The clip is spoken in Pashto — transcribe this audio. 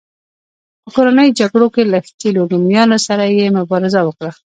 په کورنیو جګړو کې له ښکېلو رومیانو سره یې مبارزه وکړه.